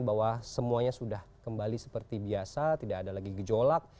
bahwa semuanya sudah kembali seperti biasa tidak ada lagi gejolak